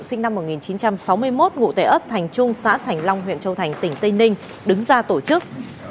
sinh năm một nghìn chín trăm sáu mươi một ngụ tệ ấp thành trung xã thành long huyện châu thành tỉnh tây ninh đứng ra tổ chức